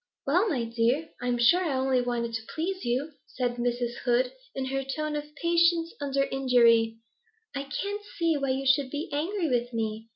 'Well, my dear, I'm sure I only wanted to please you,' said Mrs. Hood, in her tone of patience under injury. 'I can't see why you should be angry with me.